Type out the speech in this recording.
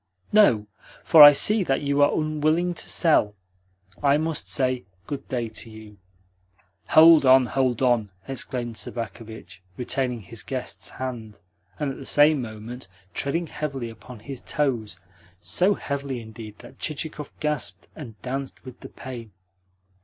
"No, for I see that you are unwilling to sell. I must say good day to you." "Hold on, hold on!" exclaimed Sobakevitch, retaining his guest's hand, and at the same moment treading heavily upon his toes so heavily, indeed, that Chichikov gasped and danced with the pain.